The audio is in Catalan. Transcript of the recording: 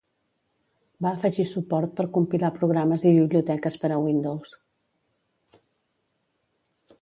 Va afegir suport per compilar programes i biblioteques per a Windows.